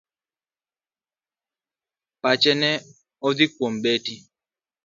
Pache ne odhi kuom Betty.